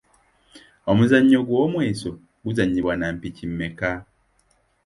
Omuzannyo gw’omweso guzannyibwa na mpiki mmeka ?